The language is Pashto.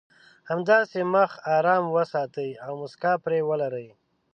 همداسې مخ ارام وساتئ او مسکا پرې ولرئ.